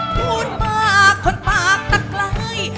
พูดมากคนปากตะไกล